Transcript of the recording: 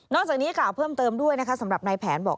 จากนี้กล่าวเพิ่มเติมด้วยนะคะสำหรับนายแผนบอก